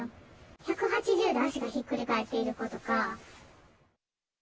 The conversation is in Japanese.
１８０度足がひっくり返っている子とか。